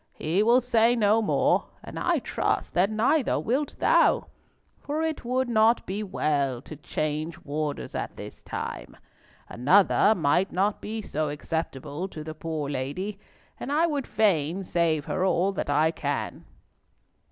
He will say no more, and I trust that neither wilt thou; for it would not be well to change warders at this time. Another might not be so acceptable to the poor lady, and I would fain save her all that I can."